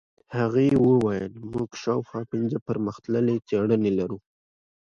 هغې وویل موږ شاوخوا پنځه پرمختللې څېړنې لرو.